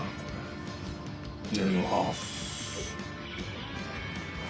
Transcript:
いただきます。